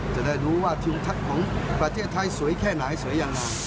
จะได้รู้ว่าทิวทัศน์ของประเทศไทยสวยแค่ไหนสวยยังไง